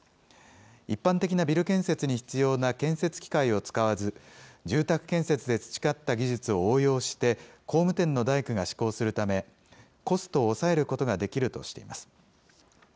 一般的なビル建設に必要な建設機械を使わず、住宅建設で培った技術を応用して、工務店の大工が施工するため、コストを抑えることができるとしています。